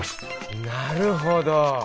なるほど！